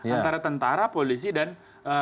antara tentara polisi dan